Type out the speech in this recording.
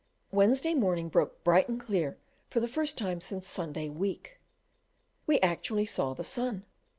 Wednesday morning broke bright and clear for the first time since Sunday week; we actually saw the sun.